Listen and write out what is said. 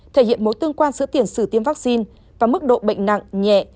thể hiện mối tương quan giữa tiền sử tiêm vaccine và mức độ bệnh nặng nhẹ